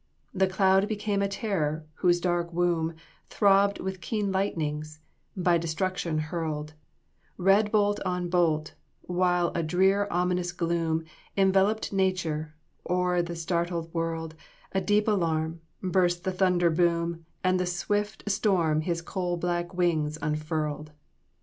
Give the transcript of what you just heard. The cloud became a terror, whose dark womb, Throbbed with keen lightnings, by destruction hurled, Red bolt on bolt, while a drear ominous gloom Enveloped Nature: o'er the startled world A deep alarum burst the thunder boom And the swift Storm his coal black wings unfurled!"